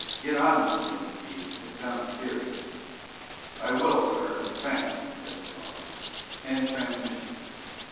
Get on this thing, Steve. It sounds serious." "I will, sir, and thanks!" said Strong. "End transmission!"